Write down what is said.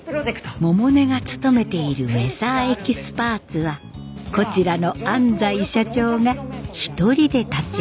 百音が勤めているウェザーエキスパーツはこちらの安西社長が一人で立ち上げたのだそうです。